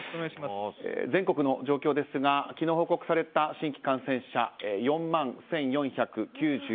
全国の状況ですが昨日報告された新規感染者、４万１４９２人。